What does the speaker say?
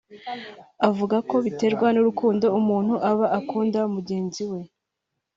uvuga ko biterwa n’urukundo umuntu aba akunda mugenzi we